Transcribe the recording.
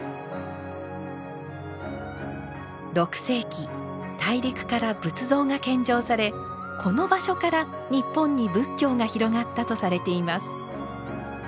６世紀大陸から仏像が献上されこの場所から日本に仏教が広がったとされています。